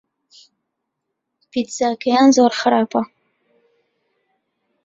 پیتزاکەیان زۆر خراپە.